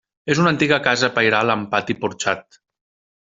És una antiga casa pairal amb pati porxat.